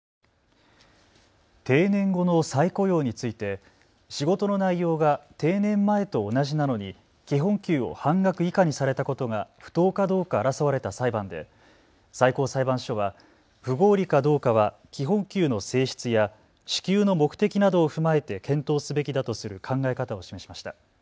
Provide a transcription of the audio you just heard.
定年後の再雇用について仕事の内容が定年前と同じなのに基本給を半額以下にされたことが不当かどうか争われた裁判で最高裁判所は不合理かどうかは基本給の性質や支給の目的などを踏まえて検討すべきだとする考え方を示しました。